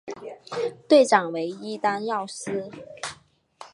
队长为伊丹耀司。